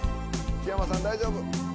木山さん大丈夫。